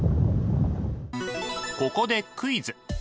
ここでクイズ！